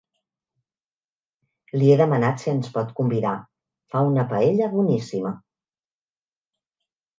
Li he demanat si ens pot convidar; fa una paella boníssima.